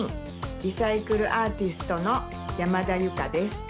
リサイクルアーティストの山田ゆかです。